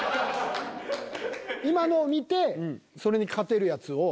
今のを見てそれに勝てるやつを。